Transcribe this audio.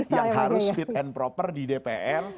yang harus fit and proper di dpr